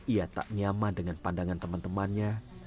ia tak nyaman dengan pandangan teman temannya